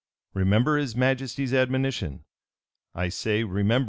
Remember his majesty's admonition. I say, remember it."